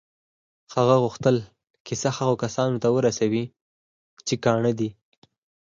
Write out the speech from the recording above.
هغه غوښتل کیسه هغو کسانو ته ورسوي چې کڼ وو